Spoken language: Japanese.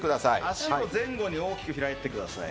足を前後に大きく開いてください。